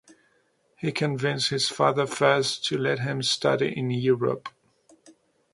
He convinced his father first to let him study in Europe.